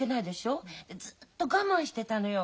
ずっと我慢してたのよ。